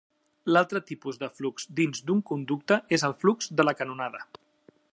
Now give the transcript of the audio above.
L'altre tipus de flux dins d'un conducte és el flux de la canonada.